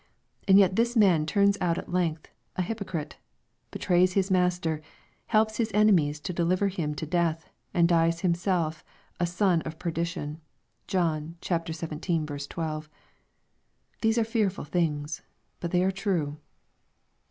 And yet this man turns out at length a hypocrite, betrays his Master, helps his enemies to deliver Him up to death, and dies himself a " son of perdition." (John xvii. 12.) These are fearful things. But they are true.